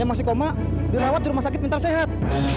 yang masih koma dirawat ke rumah sakit minta sehat